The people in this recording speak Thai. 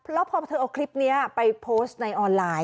แล้วพอเธอเอาคลิปนี้ไปโพสต์ในออนไลน์